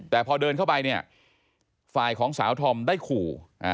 แต่พอเดินเข้าไปเนี่ยฝ่ายของสาวธอมได้ขู่